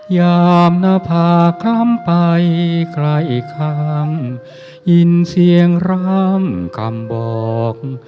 ยามหน้าผาคล้ำไปไกลข้างยินเสียงร่ำคำบอก